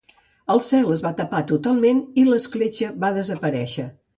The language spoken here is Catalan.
El cel es va tapar totalment i l'escletxa va desaparèixer.